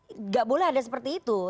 tidak boleh ada seperti itu